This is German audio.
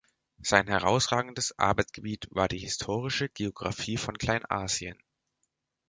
Sein herausragendes Arbeitsgebiet war die Historische Geographie von Kleinasien.